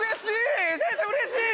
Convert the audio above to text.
うれしい！